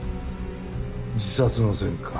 自殺の線か。